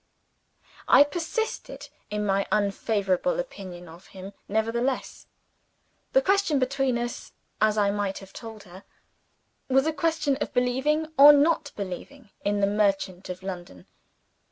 I persisted in my unfavorable opinion of him, nevertheless. The question between us (as I might have told her) was a question of believing, or not believing, in the merchant of London.